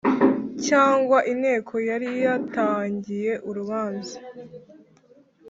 Cyangwa inteko yari yatangiye urubanza